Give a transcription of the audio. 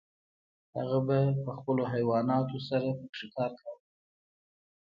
هغه به په خپلو حیواناتو سره پکې کار کاوه.